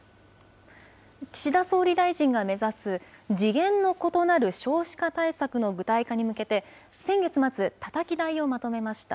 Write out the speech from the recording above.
岸田総理大臣が目指す、次元の異なる少子化対策の具体化に向けて、先月末、たたき台をまとめました。